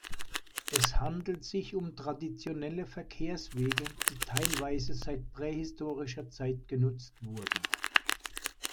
Es handelt sich um traditionelle Verkehrswege, die teilweise seit prähistorischer Zeit genutzt wurden.